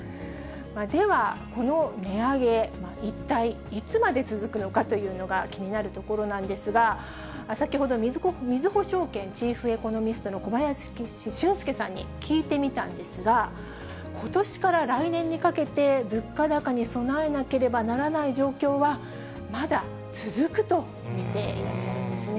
では、この値上げ、一体いつまで続くのかというのが気になるところなんですが、先ほど、みずほ証券チーフエコノミストの小林俊介さんに聞いてみたんですが、ことしから来年にかけて物価高に備えなければならない状況は、まだ続くと見ていらっしゃるんですね。